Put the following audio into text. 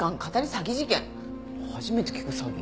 初めて聞く詐欺。